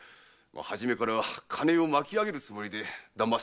初めから金を巻き上げるつもりで騙すのです。